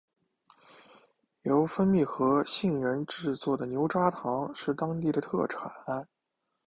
由蜂蜜和杏仁制作的牛轧糖是当地的特产。